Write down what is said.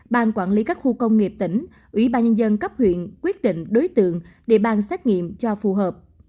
ban quản lý các khu công nghiệp tỉnh ủy ban nhân dân cấp huyện quyết định đối tượng địa bàn xét nghiệm cho phù hợp